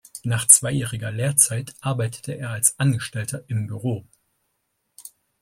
Nach zweijähriger Lehrzeit arbeitete er als Angestellter im Büro.